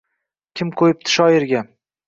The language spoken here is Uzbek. Kim qo’yibdi shoirga».